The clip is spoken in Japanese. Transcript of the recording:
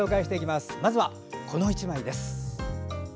まずはこの１枚です。